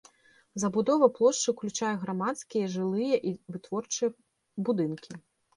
Забудова плошчы ўключае грамадскія, жылыя і вытворчыя будынкі.